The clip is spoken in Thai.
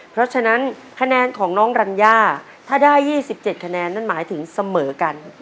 เพราะฉะนั้นคะแนนของน้องรัญญาถ้าได้๒๗คะแนนนั่นหมายถึงเสมอกัน